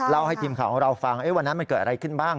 ให้ทีมข่าวของเราฟังวันนั้นมันเกิดอะไรขึ้นบ้าง